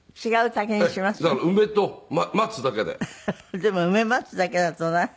でも梅松だけだとな。